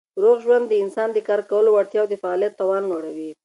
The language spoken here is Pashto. روغ ژوند د انسان د کار کولو وړتیا او د فعالیت توان لوړوي.